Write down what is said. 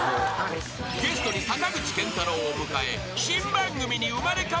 ［ゲストに坂口健太郎を迎え］